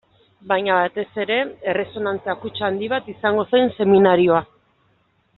Baina batez ere, erresonantzia kutxa handi bat izango zen seminarioa.